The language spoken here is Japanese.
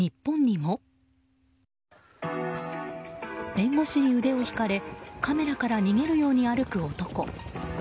弁護士に腕を引かれカメラから逃げるように歩く男。